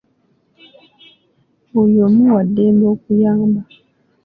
Buli omu wa ddembe okuyamba.